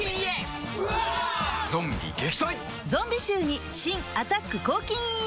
ゾンビ臭に新「アタック抗菌ＥＸ」